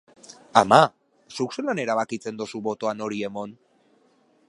Ama, zuk zelan erabakitzen dozu botoa nori emon?